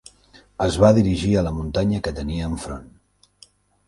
Es va dirigir a la muntanya que tenia enfront.